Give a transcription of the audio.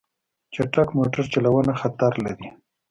چټک موټر چلوونه خطر لري.